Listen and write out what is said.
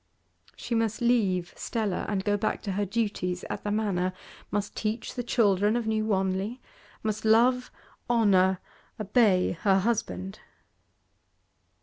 She must leave Stella and go back to her duties at the Manor; must teach the children of New Wanley; must love, honour, obey her husband.